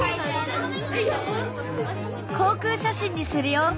航空写真にするよ！